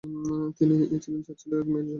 তিনি ছিলেন চার ছেলে ও এক মেয়ের জনক।